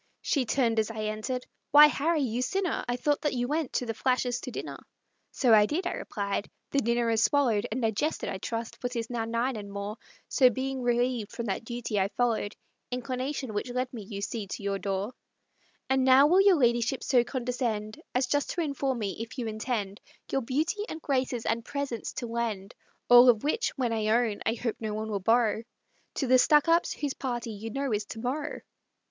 She turned as I entered "Why, Harry, you sinner, I thought that you went to the Flashers' to dinner!" "So I did," I replied; "the dinner is swallowed, And digested, I trust, for 'tis now nine and more, So, being relieved from that duty, I followed Inclination, which led me, you see, to your door; And now will your ladyship so condescend As just to inform me if you intend Your beauty, and graces, and presence to lend (All of which, when I own, I hope no one will borrow) To the Stuckups', whose party, you know, is to morrow?"